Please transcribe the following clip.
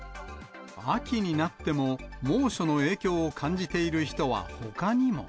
秋になっても猛暑の影響を感じている人はほかにも。